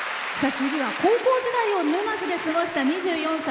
次は高校時代を沼津で過ごした２４歳。